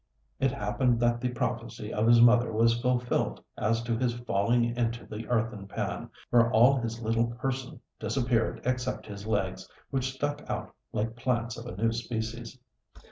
It happened that the prophecy of his mother was fulfilled as to his falling into the earthen pan, where all his little person disappeared except his legs, which stuck out like plants of a new species.